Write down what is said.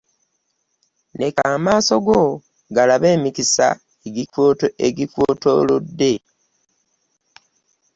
Leka amaaso go galabe emikisa egikwetoolodde